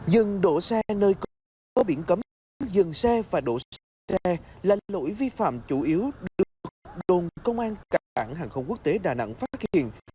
dừng đổ xe nơi có biển cấm dừng xe và đổ xe là lỗi vi phạm chủ yếu được đồn công an cảng hàng không quốc tế đà nẵng phát hiện